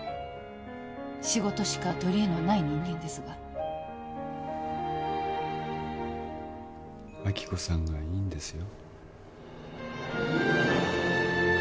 仕事しか取り柄のない人間ですが亜希子さんがいいんですよ